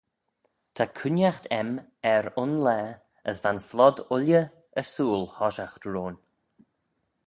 Ta cooinaght aym er un laa as va'n flod ooilley ersooyl hoshiaght roin.